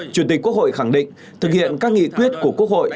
chủ tịch quốc hội khẳng định thực hiện các nghị quyết của quốc hội